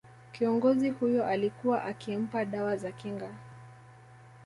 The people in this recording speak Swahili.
Kiongozi huyo alikuwa akimpa dawa za kinga